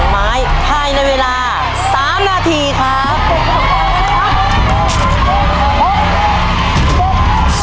๓๒ไม้ให้ในเวลา๓นาทีครับ